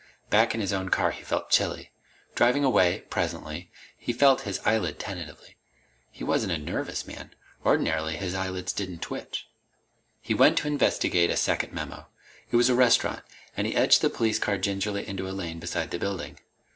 Back in his own car he felt chilly. Driving away, presently, he felt his eyelid tentatively. He wasn't a nervous man. Ordinarily his eyelids didn't twitch. He went to investigate a second memo. It was a restaurant, and he edged the police car gingerly into a lane beside the building.